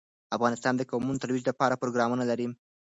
افغانستان د قومونه د ترویج لپاره پروګرامونه لري.